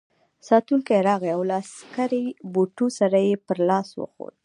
ساتونکی راغی او له عسکري بوټو سره یې پر لاس وخوت.